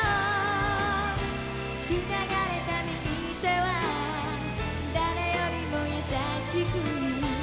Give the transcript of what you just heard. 「繋がれた右手は誰よりも優しく」